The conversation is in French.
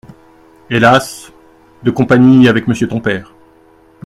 Hélas ! de compagnie avec monsieur ton père…